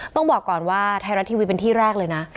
ต้องบอกก่อนว่าไทยรัฐทีวีเป็นที่แรกเลยนะ